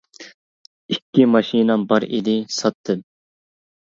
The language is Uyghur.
ئىككى ماشىنام بار ئىدى، ساتتىم .